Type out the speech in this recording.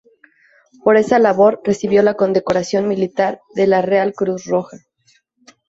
Por esa labor recibió la condecoración militar de la Real Cruz Roja.